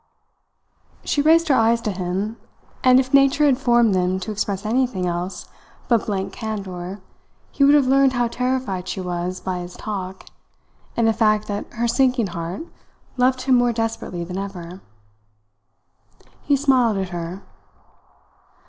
She raised her eyes to him; and if nature had formed them to express anything else but blank candour he would have learned how terrified she was by his talk and the fact that her sinking heart loved him more desperately than ever. He smiled at her.